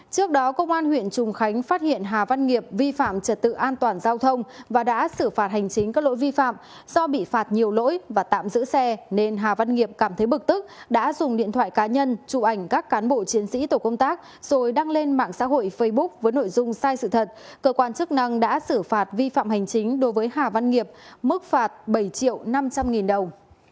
công an huyện trùng khánh tỉnh cao bằng phối hợp với sở thông tin truyền thông tỉnh chia sẻ thông tin trên trang facebook cá nhân